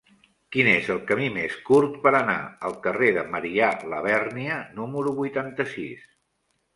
Quin és el camí més curt per anar al carrer de Marià Labèrnia número vuitanta-sis?